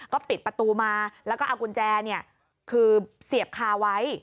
ก็ปิดประตูมาแล้วก็เอากุญแจคือเสียบคาไว้